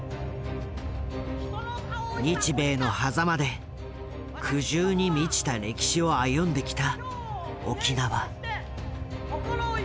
日米のはざまで苦渋に満ちた歴史を歩んできた沖縄。